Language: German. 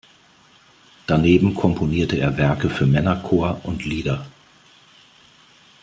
Daneben komponierte er Werke für Männerchor und Lieder.